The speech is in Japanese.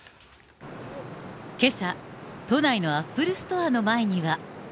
けさ、都内のアップルストアの前には。